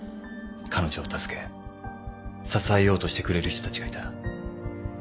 彼女を助け支えようとしてくれる人たちがいた。